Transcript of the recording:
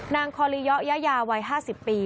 นางคอลียะยาวัย๕๐ปี